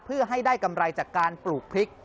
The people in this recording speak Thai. เพื่อให้ได้กำไรจากการปลูกพริก